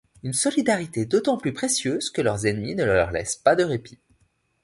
Une solidarité d'autant plus précieuse que leurs ennemis ne leur laissent pas de répit.